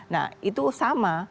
nah itu sama